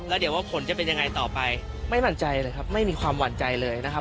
แล้วเดี๋ยวว่าผลจะเป็นยังไงต่อไปไม่หวั่นใจเลยครับไม่มีความหวั่นใจเลยนะครับ